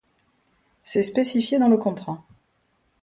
C'est spécifié dans le contrat.